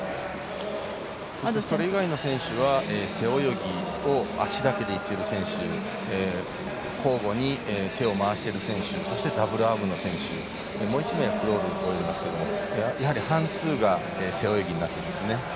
それ以外の選手は背泳ぎと足だけでいっている選手交互に手を回している選手そしてダブルアームの選手もう１名クロールもいますがやはり半数が背泳ぎになっていますね。